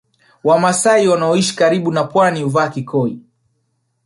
Wamasai wanaoishi karibu na pwani huvaa kikoi